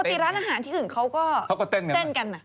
ปกติร้านอาหารที่อื่นเขาก็เต้นกันนะ